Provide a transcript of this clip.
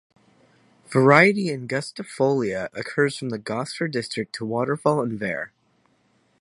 Variety "angustifolia" occurs from the Gosford district to Waterfall and var.